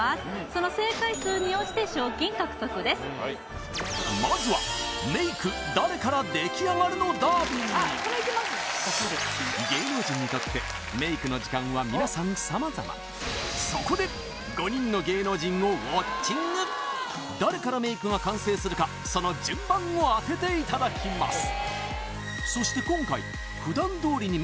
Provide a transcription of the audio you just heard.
その正解数に応じて賞金獲得ですまずは芸能人にとってメイクの時間は皆さん様々そこで５人の芸能人をウォッチング誰からメイクが完成するかその順番を当てていただきます